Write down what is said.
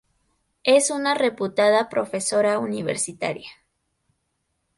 Es una reputada profesora universitaria.